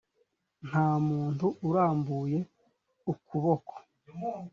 nta muntu urambuye ukuboko